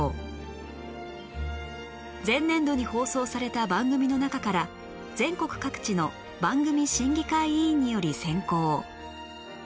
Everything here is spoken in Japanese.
前年度に放送された番組の中から全国各地の番組審議会委員により選考